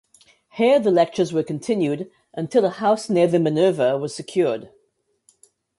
Here the lectures were continued until a house near the Minerva was secured.